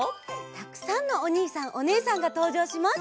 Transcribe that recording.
たくさんのおにいさんおねえさんがとうじょうします！